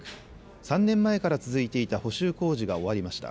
３年前から続いていた補修工事が終わりました。